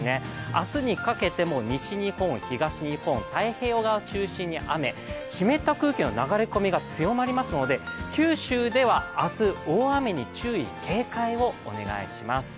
明日にかけても西日本、東日本、太平洋側中心に雨湿った空気の流れ込みが強まりますので九州では明日、大雨に注意、警戒をお願いします。